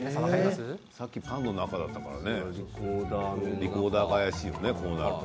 さっきパンの中だったからねリコーダーが怪しいねこうなると。